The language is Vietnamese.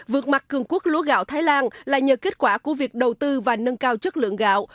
vượt mặt cường quốc lúa gạo thái lan là nhờ kết quả của việc đầu tư và nâng cao chất lượng gạo